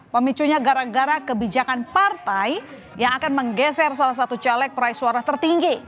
pemicunya gara gara kebijakan partai yang akan menggeser salah satu caleg peraih suara tertinggi